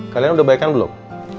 kalian udah baikan belum